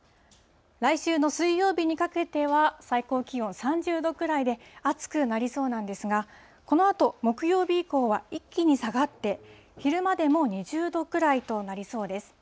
来週の水曜日にかけては、最高気温３０度くらいで、暑くなりそうなんですが、このあと、木曜日以降は一気に下がって、昼間でも２０度くらいとなりそうです。